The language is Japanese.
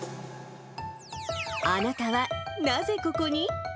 あなたはなぜココに！？